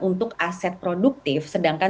untuk aset produktif sedangkan